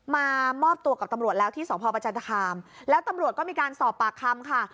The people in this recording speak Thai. มามอบตัวกับตำรวจแล้วที่สพประจันทคามแล้วตำรวจก็มีการสอบปากคำค่ะ